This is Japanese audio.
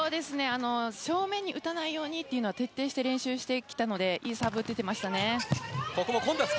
正面に打たないようにというのは徹底して練習してきたのでいいサーブを打てていました。